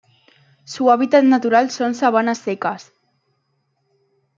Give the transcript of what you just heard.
Su hábitat natural son: sabanas secas